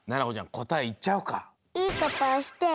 こたえいっちゃおうか。